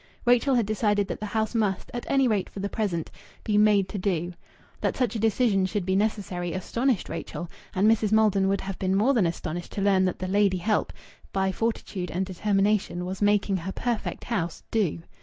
Rachel had decided that the house must, at any rate for the present, be "made to do." That such a decision should be necessary astonished Rachel; and Mrs. Maldon would have been more than astonished to learn that the lady help, by fortitude and determination, was making her perfect house "do."